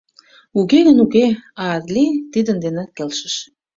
— Уке гын — уке, — Аадли тидын денат келшыш.